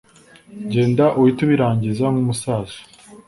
genda uhite ubirangiza nkumusaza